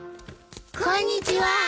こんにちは。